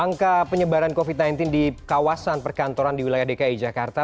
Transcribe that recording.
angka penyebaran covid sembilan belas di kawasan perkantoran di wilayah dki jakarta